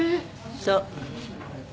そう。